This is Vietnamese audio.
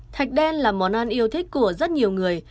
thạch đen là món ăn yêu thích của rất nhiều người